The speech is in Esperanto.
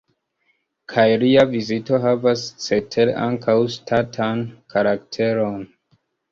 Kaj lia vizito havas cetere ankaŭ ŝtatan karakteron.